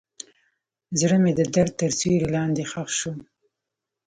زړه مې د درد تر سیوري لاندې ښخ شو.